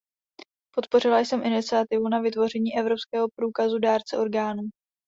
Podpořila jsem iniciativu na vytvoření evropského průkazu dárce orgánů.